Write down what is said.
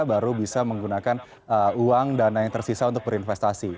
baru bisa menggunakan uang dana yang tersisa untuk berinvestasi